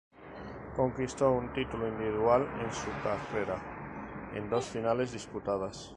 Conquistó un título individual en su carrera en dos finales disputadas.